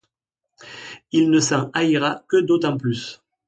Il ne s’en haïra que d’autant plus.